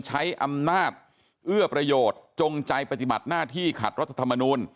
ใช้อำนาจเอื้อประโยชน์จงใจปฏิบัติหน้าที่ขัดรัฐธรรมนูล